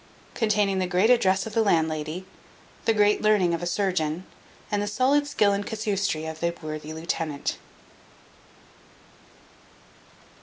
Containing the great address of the landlady, the great learning of a surgeon, and the solid skill in casuistry of the worthy lieutenant.